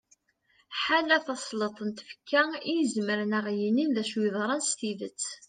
ḥala tasleḍt n tfekka i izemren ad aɣ-yinin acu yeḍran s tidet